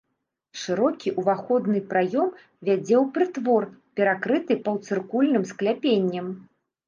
Шырокі ўваходны праём вядзе ў прытвор, перакрыты паўцыркульным скляпеннем.